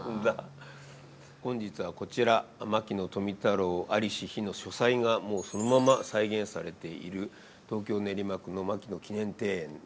本日はこちら牧野富太郎在りし日の書斎がもうそのまま再現されている東京・練馬区の牧野記念庭園です。